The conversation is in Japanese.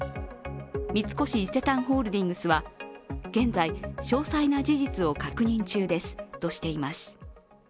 三越伊勢丹ホールディングスは現在詳細な事実を確認中ですとしています。